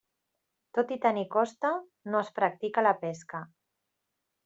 Tot i tenir costa, no es practica la pesca.